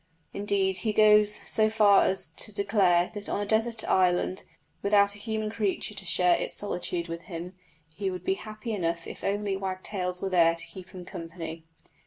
Indeed, he goes so far as to declare that on a desert island, without a human creature to share its solitude with him, he would be happy enough if only wagtails were there to keep him company.